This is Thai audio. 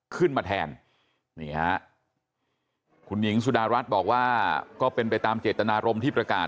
ขึ้นมาแทนนี่ฮะคุณหญิงสุดารัฐบอกว่าก็เป็นไปตามเจตนารมณ์ที่ประกาศ